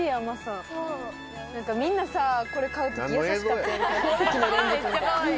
みんなさ。